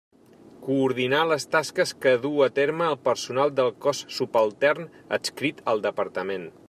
Coordinar les tasques que duu a terme el personal del cos subaltern adscrit al Departament.